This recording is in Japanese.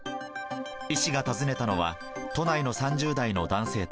医師が訪ねたのは、都内の３０代の男性宅。